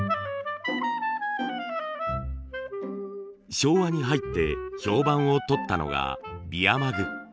昭和に入って評判をとったのがビアマグ。